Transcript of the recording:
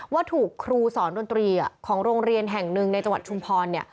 ว่าถูกครูสอนดนตรีของโรงเรียนแห่งหนึ่งในจังหวัดชุมพรเนี่ย